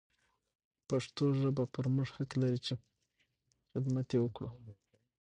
پښتو ژبه پر موږ حق لري چې حدمت يې وکړو.